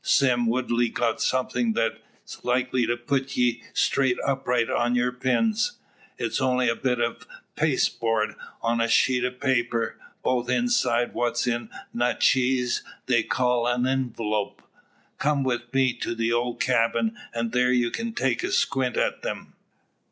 Sime Woodley's got somethin' thet's likely to put ye straight upright on your pins. It's only a bit o' pasteboard an' a sheet o' paper both inside what in Natcheez they calls a enwelope. Come wi' me to the ole cabin, an' thar you kin take a squint at 'em."